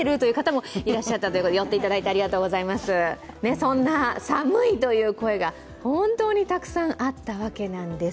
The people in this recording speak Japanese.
そんな寒いという声が本当にたくさんあったわけなんです。